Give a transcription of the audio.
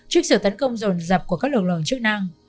trước sự tấn công rồn rập của các lực lượng chức năng